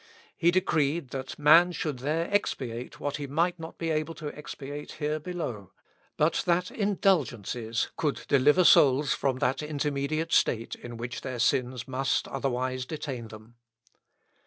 He decreed that man should there expiate what he might not be able to expiate here below, but that indulgences could deliver souls from that intermediate state in which their sins must otherwise detain them.